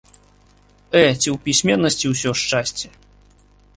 Э, ці ў пісьменнасці ўсё шчасце?